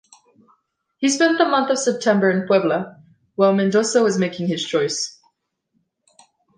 He spent the month of September in Puebla, while Mendoza was making his choice.